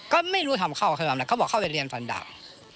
ก็ไม่รู้ทำเข้าใครทำอะไรเขาบอกเข้าไปเรียนฟันดาบ